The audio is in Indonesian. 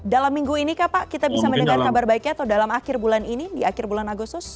dalam minggu ini kak pak kita bisa mendengar kabar baiknya atau dalam akhir bulan ini di akhir bulan agustus